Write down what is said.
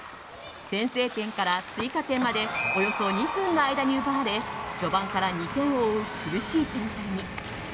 先制点から追加点までおよそ２分の間に奪われ序盤から２点を追う苦しい展開に。